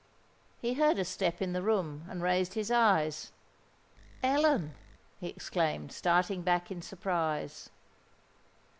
He heard a step in the room, and raised his eyes. "Ellen!" he exclaimed, starting back in surprise.